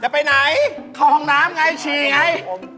จะไปไหนทองน้ำไงฉี่ไง